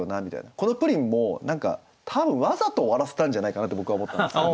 この「プリン」も何か多分わざと終わらせたんじゃないかなと僕は思ったんですけど。